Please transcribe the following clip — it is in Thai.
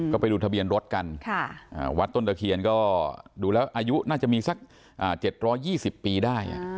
ก็ไปดูทะเบียนรถกันวัดต้นตะเคียนก็ดูแล้วอายุน่าจะมีสัก๗๒๐ปีได้